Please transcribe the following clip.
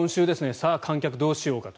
さあ、観客どうしようかと。